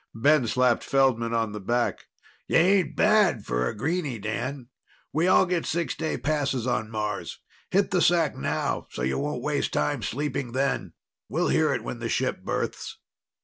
Ben slapped Feldman on the back. "Ya ain't bad for a greenie, Dan. We all get six day passes on Mars. Hit the sack now so you won't waste time sleeping then. We'll hear it when the ship berths."